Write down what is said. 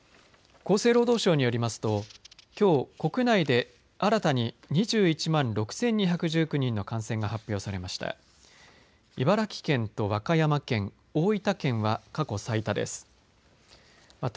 厚生労働省によりますときょう国内で新たに２１万６２１９人の感染が発表されました。